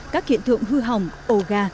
các hiện tượng hư hỏng ổ gà